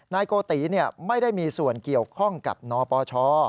โกติไม่ได้มีส่วนเกี่ยวข้องกับนปช